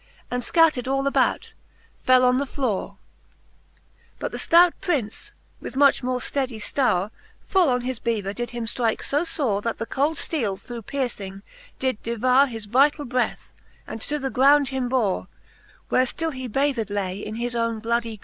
And, fcatter'd all about, fell on the flowre. But the ftout Prince, with much more fteddy Jlowre, Full on his bever did him ftrike fo fore. That the cold fteele through piercing, did devowre His vitall breath, and to the ground him bore, Where ftill he bathed lay in his owne bloody gore.